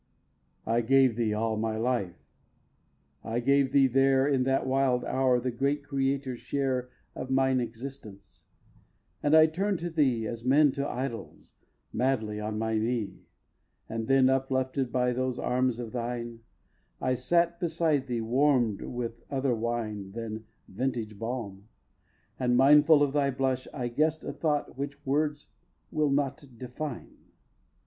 x. I gave thee all my life. I gave thee there, In that wild hour, the great Creator's share Of mine existence; and I turn'd to thee As men to idols, madly on my knee; And then uplifted by those arms of thine, I sat beside thee, warm'd with other wine Than vintage balm; and, mindful of thy blush, I guess'd a thought which words will not define.